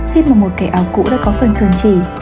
khi mà một kẻ áo cũ đã có phần sơn chỉ